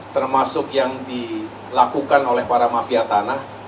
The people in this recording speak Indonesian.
termasuk yang dilakukan oleh para mafia tanah